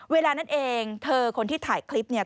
เวลานั้นเองเธอคนที่ถ่ายคลิปเนี่ย